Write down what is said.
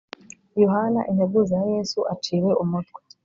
yohana integuza ya yesu aciwe umutwe